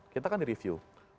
kita kan di review